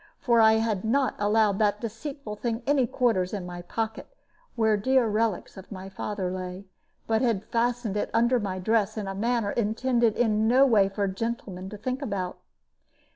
For I had not allowed that deceitful thing any quarters in my pocket, where dear little relics of my father lay, but had fastened it under my dress in a manner intended in no way for gentlemen to think about.